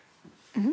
うん？